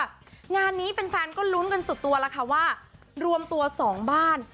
งานนี้แฟนก็ลุ้นกันสุดตัวแล้วค่ะว่ารวมตัวสองบ้าน